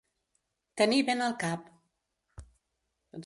Tenir vent al cap.